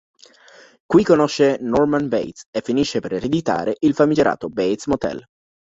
Qui conosce Norman Bates e finisce per ereditare il famigerato Bates Motel.